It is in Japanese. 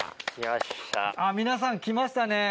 あっ皆さん来ましたね。